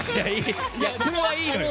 それはいいのよ。